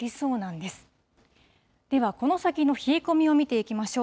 では、この先の冷え込みを見ていきましょう。